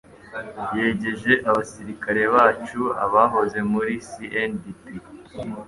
yegereje abasirikare bacu( abahoze muri CNDP,